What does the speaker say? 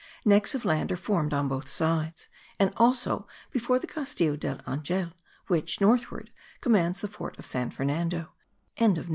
Necks of land are formed on both sides, and also before the Castillo del Angel which, northward, commands the fort of San Fernando.)